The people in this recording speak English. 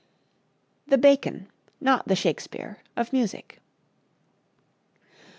The Bacon, Not the Shakespeare, of Music.